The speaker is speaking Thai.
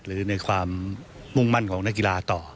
หรือในความมุ่งมั่นของนักกีฬาต่อ